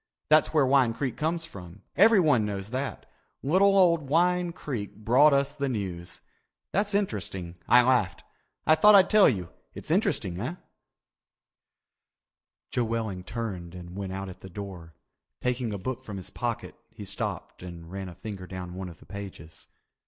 That's where Wine Creek comes from. Everyone knows that. Little old Wine Creek brought us the news. That's interesting. I laughed. I thought I'd tell you—it's interesting, eh?" Joe Welling turned and went out at the door. Taking a book from his pocket, he stopped and ran a finger down one of the pages.